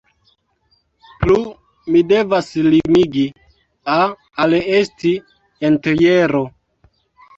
Plu, oni devas limigi "a" al esti entjero.